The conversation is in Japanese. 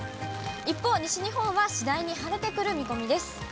一方、西日本は次第に晴れてくる見込みです。